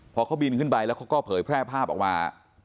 พอเขาบินขึ้นไปแล้วเขาก็เผยแพร่ภาพออกมา